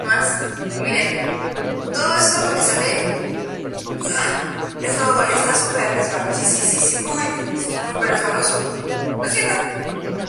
Algunos de esos países son Andorra, Costa Rica y Liechtenstein.